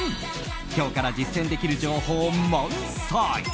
今日から実践できる情報満載。